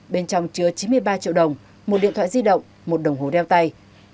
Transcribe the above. bên trong chứa chín mươi ba triệu đồng một điện thoại di động một đồng hồ đeo tay